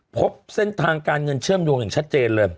พบเส้นทางการเงินเชื่อมโยงอย่างชัดเจนเลย